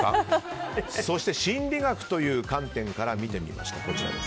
そして心理学という観点から見てみました。